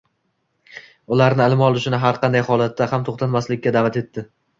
ularni ilm olishni har qanday holatda ham to‘xtatmaslikka da’vat etdi